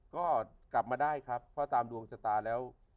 ก็กลับมาได้ครับเพราะตามดวงชะตาแล้ว